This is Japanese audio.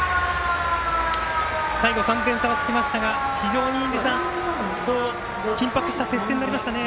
最後３点差はつきましたが印出さん、非常に緊迫した接戦になりましたね。